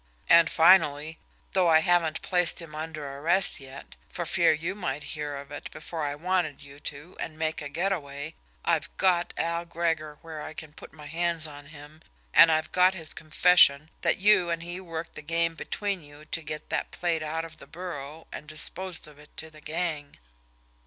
And finally, though I haven't placed him under arrest yet for fear you might hear of it before I wanted you to and make a get away, I've got Al Gregor where I can put my hands on him, and I've got his confession that you and he worked the game between you to get that plate out of the bureau and dispose of it to the gang."